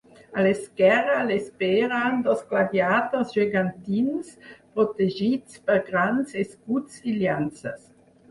A l'esquerra l'esperen dos gladiadors gegantins protegits per grans escuts i llances.